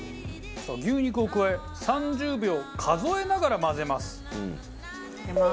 さあ牛肉を加え３０秒数えながら混ぜます。